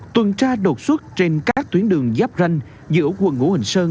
tuần tra đột xuất trên các tuyến đường giáp ranh giữa quận ngũ hành sơn